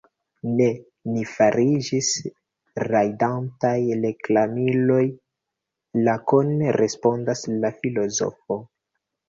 Ne; ni fariĝis rajdantaj reklamiloj, lakone respondas la filozofo.